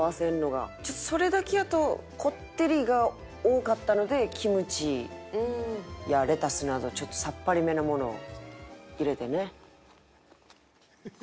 ちょっとそれだけやとコッテリが多かったのでキムチやレタスなどちょっとさっぱりめなものを入れてね。